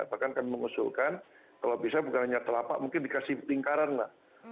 bahkan kami mengusulkan kalau bisa bukan hanya telapak mungkin dikasih lingkaran lah